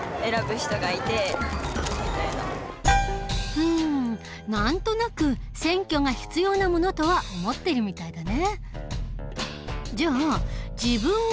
うん何となく選挙が必要なものとは思っているみたいだね。